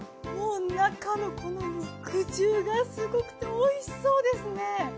もう中のこの肉汁がすごくておいしそうですね！